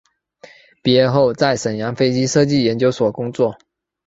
毕业后在沈阳飞机设计研究所工作。